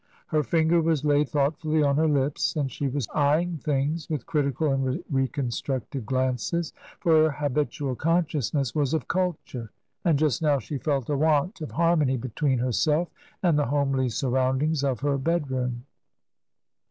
Her finger was laid thoughtfully on her lips, and she was eyeing things with critical and reconstructive glances; for her habitual consciousness was of culture, and just now she felt a want of harmony between herself and the homely surroundings of her bedroom.